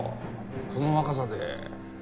その若さで。